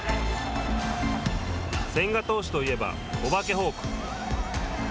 千賀投手といえばおばけフォーク。